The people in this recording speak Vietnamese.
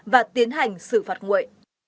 và tiến hành xử phạt nguội